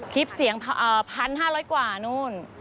คลิปเสียง๑๕๐๐กว่านู่น